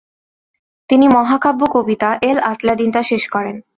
তিনি মহাকাব্য কবিতা এল' আটলান্টিডা শেষ করেন।